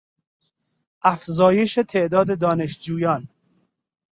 افزایش تعداد دانشجویان